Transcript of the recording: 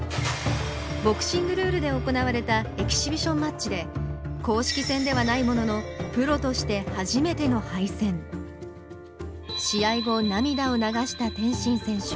ボクシングルールで行われたエキシビションマッチで公式戦ではないものの試合後涙を流した天心選手。